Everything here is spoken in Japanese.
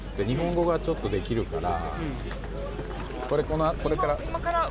日本語がちょっとできるから。